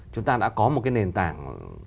chúng ta đã có một nền tảng